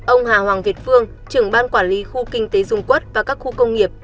ông hà hoàng việt phương trưởng ban quản lý khu kinh tế dung quốc và các khu công nghiệp